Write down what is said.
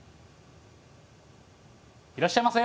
いらっしゃいませ！